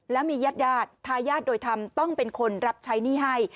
แล้วมีญาติญาติทายาทโดยธรรมต้องเป็นคนรับใช้หนี้ให้